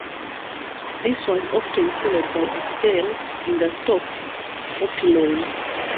This was often followed by a spell in the stocks or pillory.